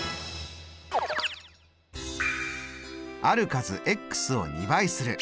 ある数を２倍する。